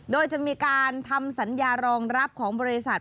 โดยจะมีการทำสัญญารองรับของบริษัท